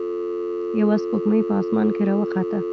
یوه سپوږمۍ په اسمان کې راوخته.